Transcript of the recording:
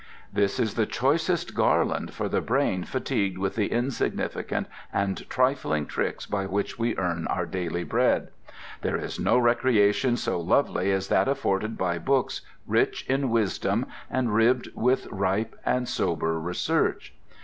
This is the choicest garland for the brain fatigued with the insignificant and trifling tricks by which we earn our daily bread. There is no recreation so lovely as that afforded by books rich in wisdom and ribbed with ripe and sober research.